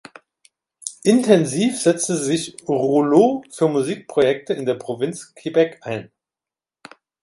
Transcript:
Intensiv setzte sich Rouleau für Musikprojekte in der Provinz Quebec ein.